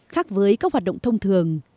khác với các hoạt động thông thường